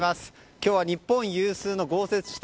今日は日本有数の豪雪地帯